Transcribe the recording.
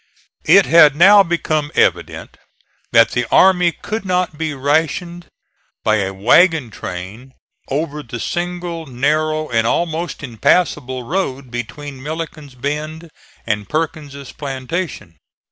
It had now become evident that the army could not be rationed by a wagon train over the single narrow and almost impassable road between Milliken's Bend and Perkins' plantation.